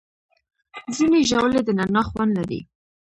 ځینې ژاولې د نعناع خوند لري.